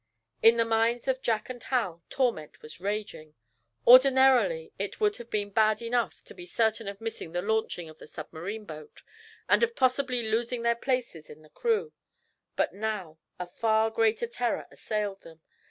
In the minds of Jack and Hal, torment was raging. Ordinarily, it would have been bad enough to be certain of missing the launching of the submarine boat, and of possibly losing their places in the crew. But now, a far greater terror assailed them.